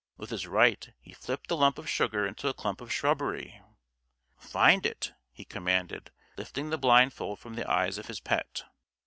With his right he flipped the lump of sugar into a clump of shrubbery. "Find it!" he commanded, lifting the blindfold from the eyes of his pet.